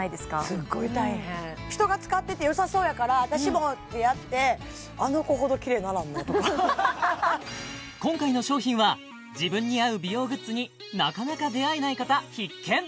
すっごい大変人が使っててよさそうやから私もってやってあの子ほどキレイにならんなとか今回の商品は自分に合う美容グッズになかなか出会えない方必見！